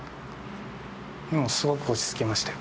もうすごく落ち着きましたよ。